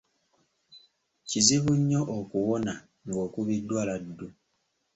Kizibu nnyo okuwona ng'okubiddwa laddu.